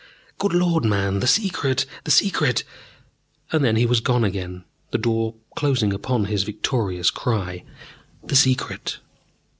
"Good Lord, man, the Secret the Secret!" And then he was gone again, the door closing upon his victorious cry, "The Secret!"